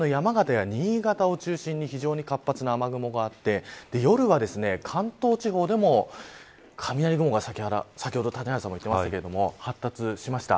東北や山形、新潟を中心に非常に活発な雨雲があって夜は関東地方でも雷雲が、先ほど谷原さんも言ってましたが発達しました。